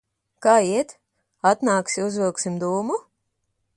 Kā iet? Atnāksi, uzvilksim dūmu?